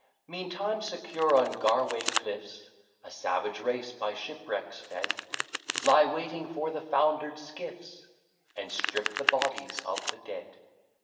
" Meantime, secure on Garway cliffs, A savage race, by shipwrecks fed, Lie waiting for the founder'd skiffs, And strip the bodies of the dead.